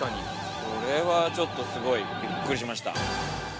◆これはちょっと、びっくりました。